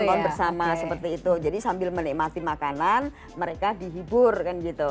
nonton bersama seperti itu jadi sambil menikmati makanan mereka dihibur kan gitu